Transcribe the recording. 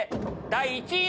第１位！